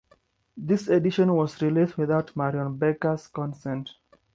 This edition was released without Marion Becker's consent.